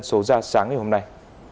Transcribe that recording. số ra sáng ngày hôm nay